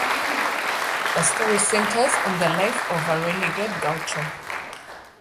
The story centers on the life of a renegade gaucho.